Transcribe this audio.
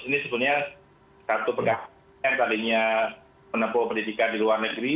ini sebenarnya satu pegawai yang tadinya menempuh pendidikan di luar negeri